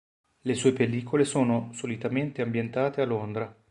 Le sue pellicole sono solitamente ambientate a Londra.